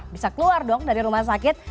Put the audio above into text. bisa keluar dong dari rumah sakit